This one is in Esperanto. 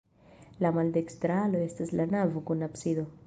La maldekstra alo estas la navo kun absido.